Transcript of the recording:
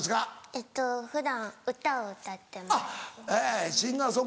えっと普段歌を歌ってます。